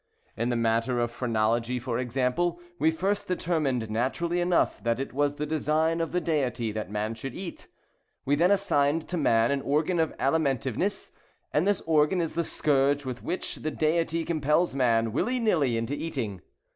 In the matter of phrenology, for example, we first determined, naturally enough, that it was the design of the Deity that man should eat. We then assigned to man an organ of alimentiveness, and this organ is the scourge with which the Deity compels man, will I nill I, into eating.